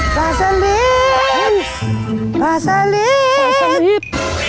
ปลาสลิดปลาสลิด